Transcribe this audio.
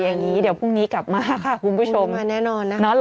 คือมีคนถามเหมือนพี่มดเกมหรอ